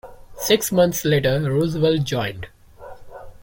Six months later, Roswell joined.